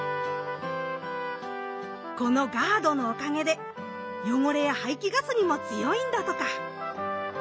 このガードのおかげで汚れや排気ガスにも強いんだとか！